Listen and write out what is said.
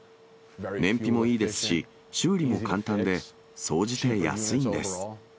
燃費もいいですし、修理も簡単で、総じて安いんです。